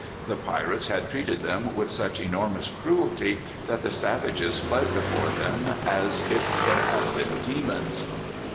The pirates had treated them with such enormous cruelty, that the savages fled before them as if they had been demons.